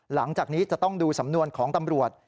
หลังจากนี้จะต้องดูสำนวนของตำรวจ